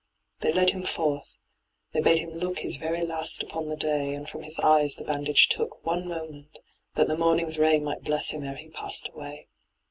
They led him forth. They bade him look His very last upon the day, And from his eyes the bandage took One moment, that the morning's ray Might bless him ere he passed away.